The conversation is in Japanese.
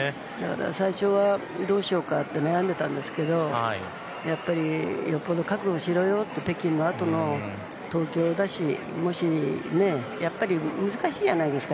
最初は、どうしようか悩んでたんですけどやっぱり覚悟しろよと北京のあとの東京だし難しいじゃないですか